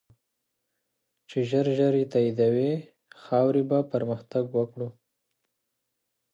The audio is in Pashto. چی ژر ژر یی تایدوی ، خاوری به پرمختګ وکړو